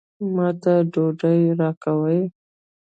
ما ته ډوډۍ راکوي.